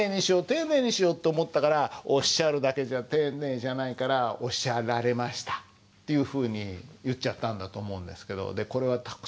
丁寧にしようと思ったから「おっしゃる」だけじゃ丁寧じゃないから「おっしゃられました」っていうふうに言っちゃったんだと思うんですけど。